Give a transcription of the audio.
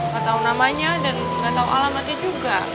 gak tau namanya dan gak tau alamatnya juga